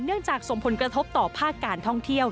เนื่องจากสมผลกระทบต่อภาคการท่องเที่ยว